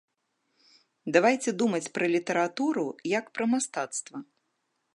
Давайце думаць пра літаратуру як пра мастацтва.